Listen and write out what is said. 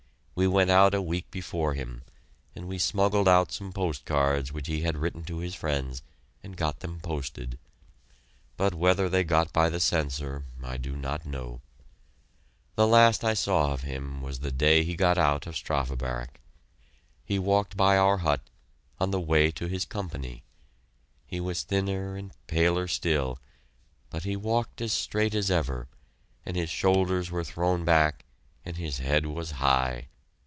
We went out a week before him, and we smuggled out some post cards which he had written to his friends and got them posted, but whether they got by the censor, I do not know. The last I saw of him was the day he got out of Strafe Barrack. He walked by our hut, on the way to his Company. He was thinner and paler still, but he walked as straight as ever, and his shoulders were thrown back and his head was high!